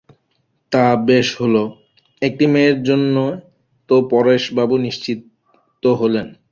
তা বেশ হল, একটি মেয়ের জন্যে তো পরেশবাবু নিশ্চিন্ত হলেন!